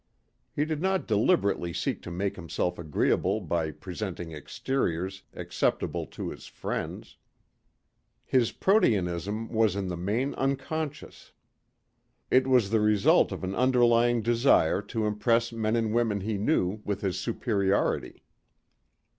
He did not deliberately seek to make himself agreeable by presenting exteriors acceptable to his friends. His proteanism was in the main unconscious. It was the result of an underlying desire to impress men and women he knew with his superiority.